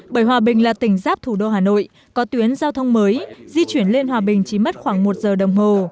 bởi hòa bình là tỉnh giáp thủ đô hà nội có tuyến giao thông mới di chuyển lên hòa bình chỉ mất khoảng một giờ đồng hồ